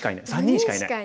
４人しかいない。